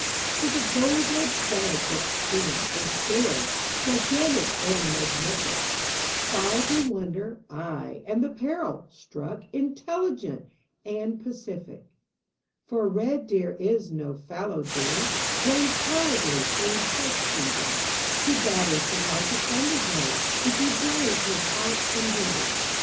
'Twas a gold red stag that stood and stared, Gigantic and magnific, By the wonder — ay, and the peril — struck Intelligent and pacific : DONALD. 86 For a red deer is no fallow deer Crown cowardly through park feeding ; Be batters you like a thunderbolt If you brave his haunts unheeding.